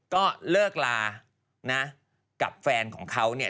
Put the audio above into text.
ก็เลิกลานะกับแฟนของเขาเนี่ย